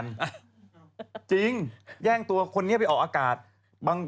เพราะว่าตอนนี้ก็ไม่มีใครไปข่มครูฆ่า